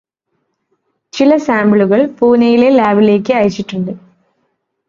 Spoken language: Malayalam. ചില സാമ്പിളുകള് പൂനയിലെ ലാബിലേക്ക് അയച്ചിട്ടുണ്ട്.